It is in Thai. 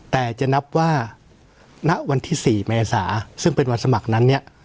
แต่จะนับว่าณวันที่๔เมษาซึ่งเป็นวันสมัครนั้นเนี่ย